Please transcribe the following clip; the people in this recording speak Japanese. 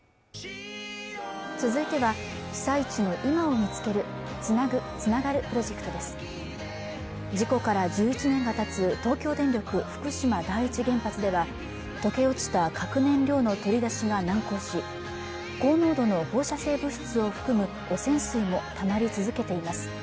続いては被災地の今を見つける「つなぐ、つながる」プロジェクトです事故から１１年がたつ東京電力・福島第１原発では溶け落ちた核燃料の取り出しが難航し高濃度の放射性物質を含む汚染水もたまり続けています